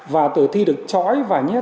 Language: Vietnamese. và từ thi được trói và nhét